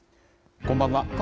こんばんは。